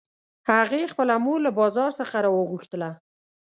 هغې خپله مور له بازار څخه راوغوښتله